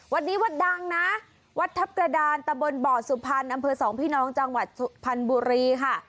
วัดนี้วัดดังนะวัดทัพกระดานตะบนบ่อสุพรรณอำเภอสองพี่น้องจังหวัดสุพรรณบุรีค่ะ